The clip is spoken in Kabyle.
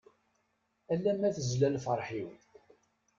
Ala ma tezla lferḥ-iw.